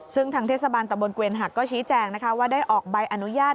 ซึ่งทางเทศบาลตะบนเกวียนหักก็ชี้แจงนะคะว่าได้ออกใบอนุญาต